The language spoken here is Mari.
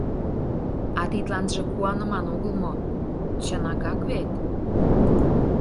— А тидланже куаныман огыл мо, чынакак вет?